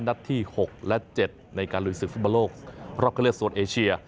นัดที่๖และ๗ในการลุยศึกฟุตบอลโลกรอบเข้าเลือกโซนเอเชีย